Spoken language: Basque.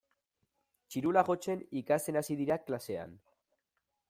Txirula jotzen ikasten hasi dira klasean.